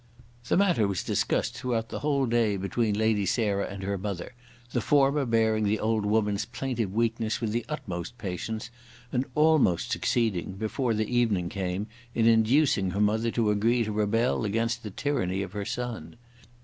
The matter was discussed throughout the whole day between Lady Sarah and her mother, the former bearing the old woman's plaintive weakness with the utmost patience, and almost succeeding, before the evening came, in inducing her mother to agree to rebel against the tyranny of her son.